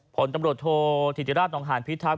ผลตำรวจโทษธิติราชนองหานพิทักษ